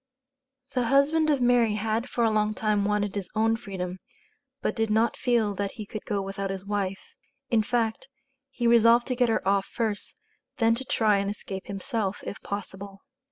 The husband of Mary had for a long time wanted his own freedom, but did not feel that he could go without his wife; in fact, he resolved to get her off first, then to try and escape himself, if possible.